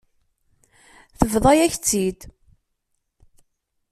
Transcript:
Tebḍa-yak-tt-id.